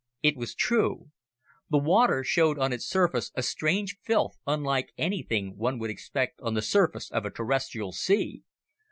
It was true. The water showed on its surface a strange filth unlike anything one would expect on the surface of a Terrestrial sea.